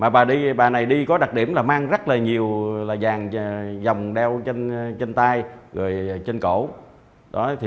bà này đi có đặc điểm là mang rất nhiều vàng dòng đeo trên tay trên cổ